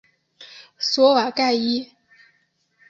索瓦盖伊。